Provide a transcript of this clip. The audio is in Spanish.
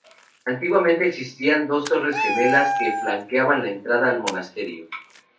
Antiguamente existían dos torres gemelas que flanqueaban la entrada al monasterio.